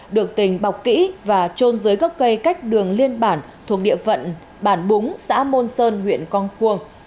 được tình bọc kỹ và trôn dưới gốc cây cách đường liên bản thuộc địa phận bản búng xã môn sơn huyện con cuông